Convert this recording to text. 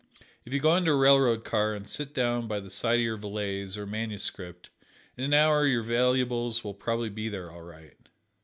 If you go into a railroad car and sit down by the side of your valise (or manuscript), in an hour your valuables will probably be there all right.